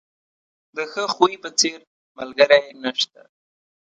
د ښه خوی په څېر، ملګری نشته.